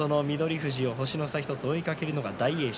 富士を星の差１つで追いかけるのが大栄翔。